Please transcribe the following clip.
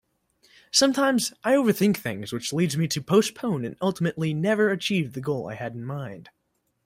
Sometimes I overthink things which leads me to postpone and ultimately never achieve the goal I had in mind.